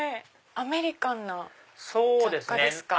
アメリカンな雑貨ですか？